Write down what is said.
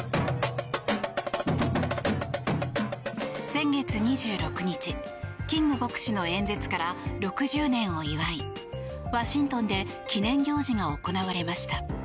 先月２６日、キング牧師の演説から６０年を祝いワシントンで記念行事が行われました。